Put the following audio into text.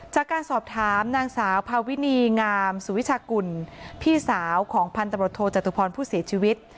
จากการสอบถามนางสาวพาวินีงามสุวิชากุลพี่สาวของพันธบทโทจตุพรผู้เสียชีวิต